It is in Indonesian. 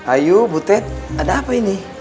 ayo butet ada apa ini